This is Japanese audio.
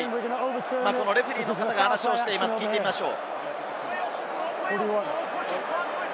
レフェリーの方が話をしていますので聞いてみましょう。